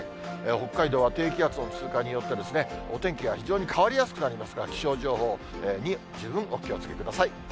北海道は低気圧の通過によって、お天気が非常に変わりやすくなりますから、気象情報に十分お気をつけください。